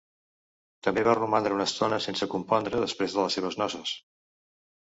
També va romandre una estona sense compondre després de les seves noces.